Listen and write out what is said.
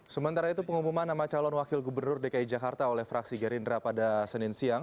sementara itu pengumuman nama calon wakil gubernur dki jakarta oleh fraksi gerindra pada senin siang